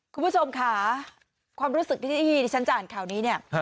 คุณผู้ชมค่ะความรู้สึกที่ที่ฉันจะอ่านข่าวนี้เนี่ย